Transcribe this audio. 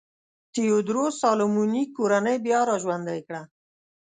تیوودروس سالومونیک کورنۍ بیا را ژوندی کړه.